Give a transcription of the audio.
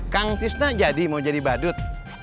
kang tisna jadi mau jadi badut